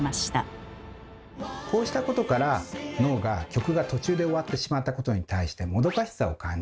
こうしたことから脳が曲が途中で終わってしまったことに対してもどかしさを感じ